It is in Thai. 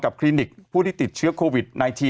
คลินิกผู้ที่ติดเชื้อโควิด๑๙